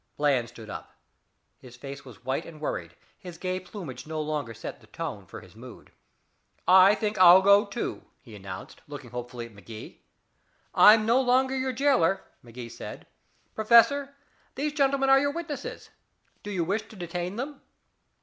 Bland stood up, his face was white and worried, his gay plumage no longer set the tone for his mood. "I think I'll go, too," he announced, looking hopefully at Magee. "I'm no longer your jailer," Magee said. "Professor, these gentlemen are your witnesses Do you wish to detain them?"